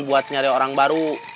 buat nyari orang baru